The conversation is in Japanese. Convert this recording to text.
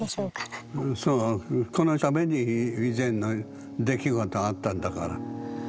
このために以前の出来事があったんだから。